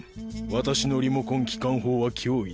私のリモコン機関砲は脅威だ。